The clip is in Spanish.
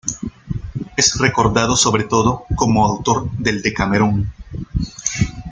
Es recordado sobre todo como autor del "Decamerón".